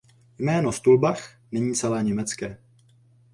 Jméno Stulbach není celé německé.